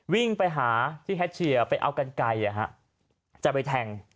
วิ่งไปหาที่แฮชเชียร์ไปเอากันไกลจะไปแทง